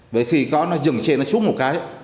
vậy khi có nó dừng xe nó xuống một cái